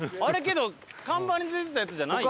けど看板に出てたやつじゃない。